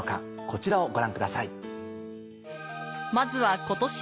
こちらをご覧ください。